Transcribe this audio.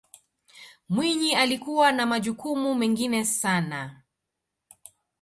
mwinyi alikuwa na majukumu mengine sana